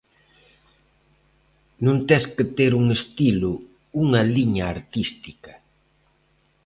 Non tes que ter un estilo, unha 'liña'artística.